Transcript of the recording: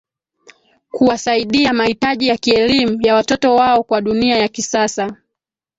kuwasaidia mahitaji ya kielimu ya watoto wao kwa dunia ya kisasa